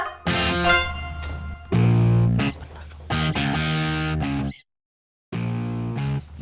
gara gara memuji orang masuk penjara